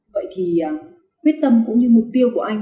vậy thì quyết tâm cũng như mục tiêu của anh